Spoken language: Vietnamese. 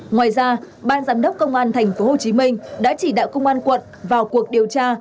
ngoài ra ban giám đốc công an thành phố hồ chí minh đã chỉ đạo công an quận vào cuộc điều tra